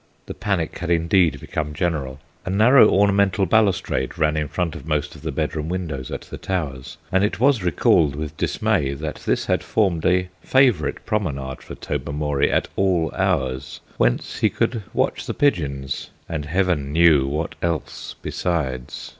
The panic had indeed become general. A narrow ornamental balustrade ran in front of most of the bedroom windows at the Towers, and it was recalled with dismay that this had formed a favourite promenade for Tobermory at all hours, whence he could watch the pigeons and heaven knew what else besides.